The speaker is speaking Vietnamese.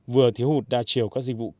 vừa thiếu hụt đa chiều các dịch vụ